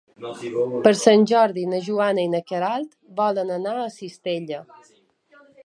Per Sant Jordi na Joana i na Queralt volen anar a Cistella.